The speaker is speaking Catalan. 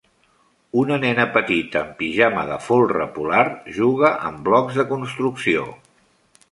Una nena petita amb pijama de folre polar juga amb blocs de construcció.